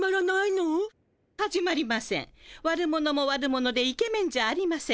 悪者も悪者でイケメンじゃありません。